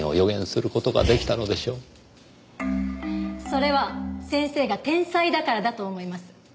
それは先生が天才だからだと思います。